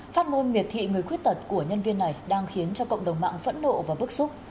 phát ngôn miệt thị người khuyết tật của nhân viên này đang khiến cho cộng đồng mạng phẫn nộ và bức xúc